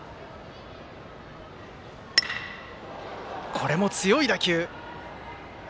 これも強い打球。